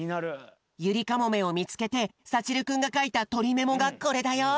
ユリカモメをみつけてさちるくんがかいたとりメモがこれだよ。